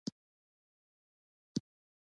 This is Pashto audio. فریدګل د مننې په پار خپل سر وښوراوه